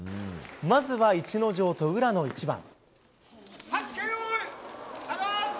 まずは逸ノ城と宇良の一番。